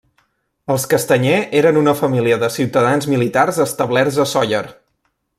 Els Castanyer eren una família de ciutadans militars establerts a Sóller.